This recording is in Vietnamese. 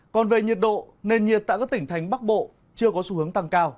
còn về nhiệt độ nền nhiệt tại các tỉnh thành bắc bộ chưa có xu hướng tăng cao